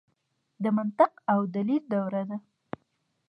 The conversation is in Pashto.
د منطق او دلیل دوره ده.